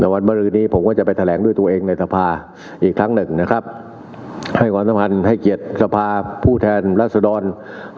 แต่วันมรือนี้ผมก็จะไปแถลงด้วยตัวเองในสภาอีกครั้งหนึ่งนะครับให้ความสำคัญให้เกียรติสภาผู้แทนรัศดร